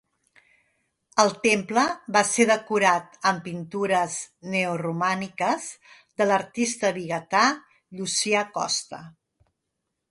El temple va ser decorat amb pintures neoromàniques de l’artista vigatà Llucià Costa.